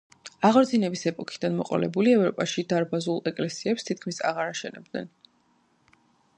აღორძინების ეპოქიდან მოყოლებული ევროპაში დარბაზულ ეკლესიებს თითქმის აღარ აშენებენ.